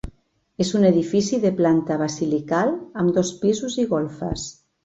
És un edifici de planta basilical amb dos pisos i golfes.